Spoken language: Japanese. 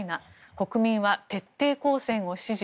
国民は徹底抗戦を支持。